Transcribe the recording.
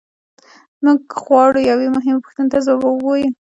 موږ غواړو یوې مهمې پوښتنې ته ځواب ووایو.